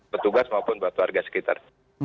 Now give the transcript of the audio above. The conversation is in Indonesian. petugas maupun buat warga sekitar